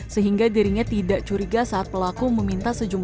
sehingga dirinya tidak curiga saat pelaku meminta sejumlah